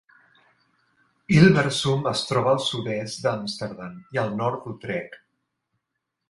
Hilversum es troba al sud-est d'Amsterdam i al nord d'Utrecht.